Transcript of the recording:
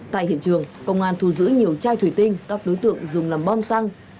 tại hiện trường công an thu giữ nhiều chai thủy tinh các đối tượng dùng làm bom xăng